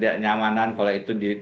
tidak khawatiran keadaan kita di indonesia